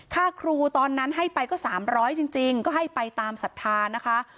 ค่าครูตอนนั้นให้ไปก็สามร้อยจริงจริงก็ให้ไปตามศรัทธานะคะครับ